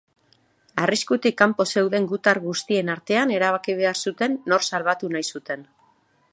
Arriskutik kanpo zeuden gutar guztien artean erabaki behar zuten nor salbatu nahi zuten.